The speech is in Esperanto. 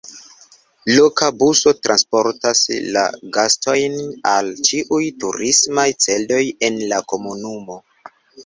Loka buso transportas la gastojn al ĉiuj turismaj celoj en la komunumo.